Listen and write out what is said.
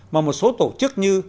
mà một số tổ chức như